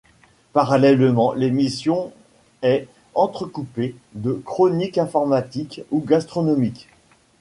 Parallèlement, l'émission est entrecoupée de chroniques informatives ou gastronomiques.